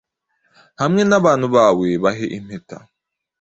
hamwe nabantu bawe bahe impeta-